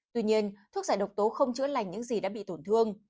tuy nhiên thuốc giải độc tố không chữa lành những gì đã bị tổn thương